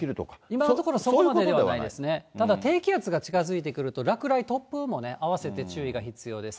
今のところ、そういうことではないですね、ただ、低気圧が近づいてくると、落雷、突風も合わせて注意が必要です。